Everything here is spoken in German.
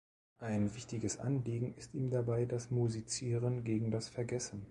Ein wichtiges Anliegen ist ihm dabei das Musizieren gegen das Vergessen.